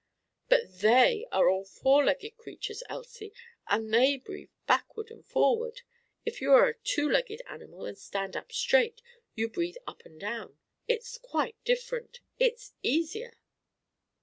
"But they are all four legged creatures, Elsie; and they breathe backward and forward; if you are a two legged animal and stand up straight, you breathe up and down: it's quite different! It's easier!"